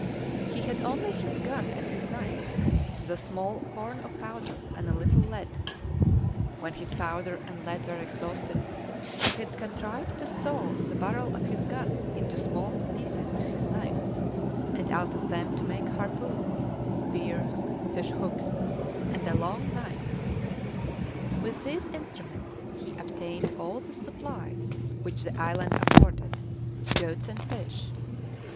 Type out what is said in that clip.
He had only his gun and his knife, with a small horn of powder and a little lead; when his powder and lead were exhausted he had contrived to saw the barrel of his gun into small pieces with his knife, and out of them to make harpoons, spears, fish hooks and a long knife. With these instruments he obtained all the supplies which the island afforded: goats and fish.